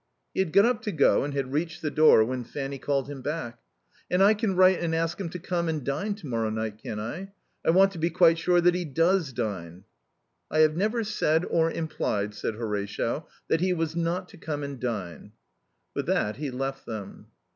He had got up to go and had reached the door when Fanny called him back. "And I can write and ask him to come and dine to morrow night, can't I? I want to be quite sure that he does dine." "I have never said or implied," said Horatio, "that he was not to come and dine." With that he left them.